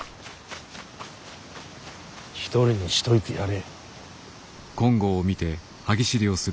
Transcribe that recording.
一人にしといてやれ。